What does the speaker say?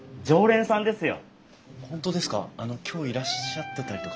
本当ですか。